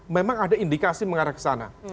memang ada indikasi mengarah ke sana